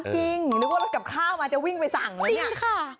จริงนึกว่ารถกับข้าวมาจะวิ่งไปสั่งเลยเนี่ย